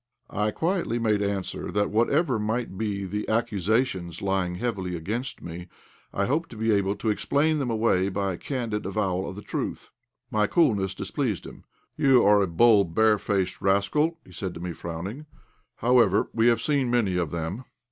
I quietly made answer that, whatever might be the accusations lying heavily against me, I hoped to be able to explain them away by a candid avowal of the truth. My coolness displeased him. "You are a bold, barefaced rascal," he said to me, frowning. "However, we have seen many of them."